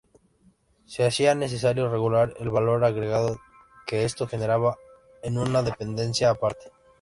Se hacía necesario regular el valor agregado que esto generaba en una dependencia aparte.